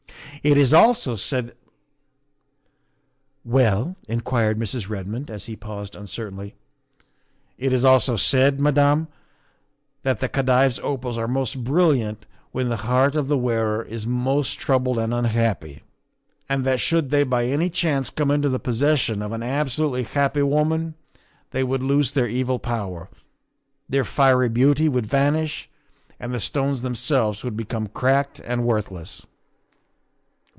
It is also said "" Well?" inquired Mrs. Redmond as he paused un certainly. ' It is also said, Madame, that the Khedive's opals are most brilliant when the heart of the wearer is most troubled and unhappy, and that should they by any chance come into the possession of an absolutely happy woman they would lose their evil power, their fiery beauty would vanish, and the stones themselves would become cracked and worthless."